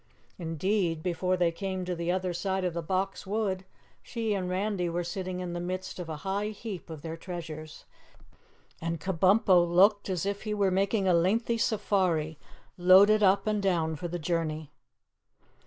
Indeed, before they came to the other side of the Box Wood, she and Randy were sitting in the midst of a high heap of their treasures, and Kabumpo looked as if he were making a lengthy safari, loaded up and down for the journey.